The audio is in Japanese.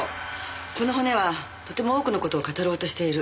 この骨はとても多くの事を語ろうとしている。